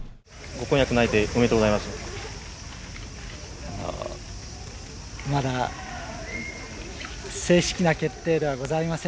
ご婚約内定、おめでとうございます。